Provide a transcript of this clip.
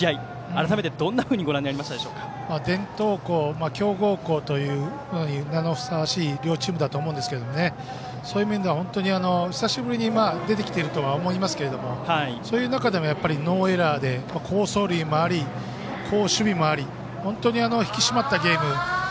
改めて、どんなふうに伝統校、強豪校という名にふさわしい両チームだと思うんですがそういう意味では久しぶりに出てきていると思いますけども、そういう中でのノーエラーで、好走塁もあり好守備もあり引き締まったゲームで。